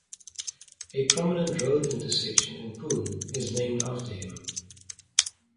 A prominent road intersection in Pune is named after him.